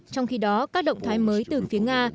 trong khi đó các động thái mới từ phía nga